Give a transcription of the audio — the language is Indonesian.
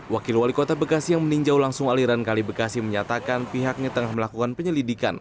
wakil wali kota bekasi yang meninjau langsung aliran kali bekasi menyatakan pihaknya tengah melakukan penyelidikan